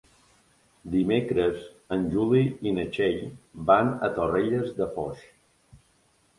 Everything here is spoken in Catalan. Dimecres en Juli i na Txell van a Torrelles de Foix.